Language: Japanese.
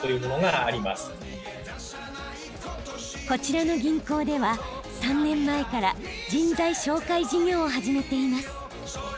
こちらの銀行では３年前から人材紹介事業を始めています。